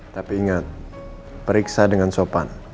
tapi ingat periksa dengan sopan